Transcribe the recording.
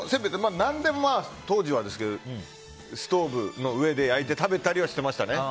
何でも当時はですけどストーブの上で焼いて食べたりはしてましたね。